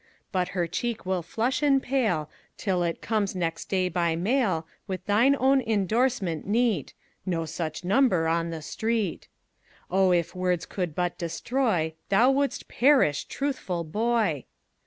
But her cheek will flush and pale, Till it comes next day by mail, With thine own indorsement neat "No such number on the street." Oh, if words could but destroy, Thou wouldst perish, truthful boy!